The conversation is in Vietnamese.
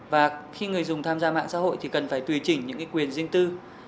và khi người dùng tham gia mạng xã hội thì cần phải tùy chỉnh những quyền riêng tư